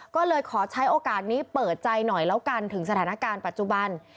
ก็เลยขอใช้โอกาสนี้เปิดใจหน่อยแล้วกันถึงสถานการณ์ปัจจุบัน